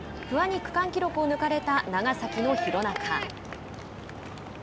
不破に区間記録を抜かれた長崎の廣中。